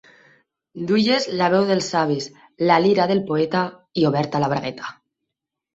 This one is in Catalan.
Duies la veu dels savis, la lira del poeta, i oberta la bragueta.